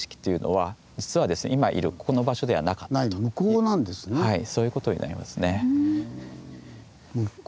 つまりですねはいそういうことになりますね。